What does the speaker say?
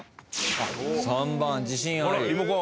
３番自信ある。